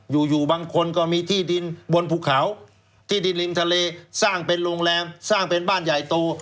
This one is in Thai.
อยู่อยู่บางคนก็มีที่ดินบนภูเขาที่ดินริมทะเลสร้างเป็นโรงแรมสร้างเป็นบ้านใหญ่โต